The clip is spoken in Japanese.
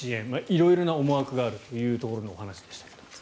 色々な思惑があるというところのお話でしたが。